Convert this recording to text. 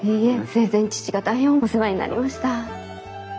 生前父が大変お世話になりました。